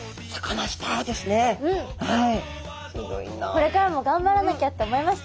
これからも頑張らなきゃと思いました。